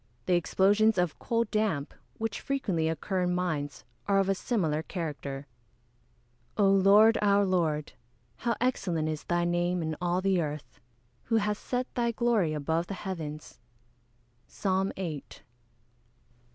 The explosions of "coal damp," which frequently occur in mines, are of a similar character. [Verse: "O Lord, our Lord, how excellent is thy name in all the earth! who hast set thy glory above the heavens." PSALM VIII.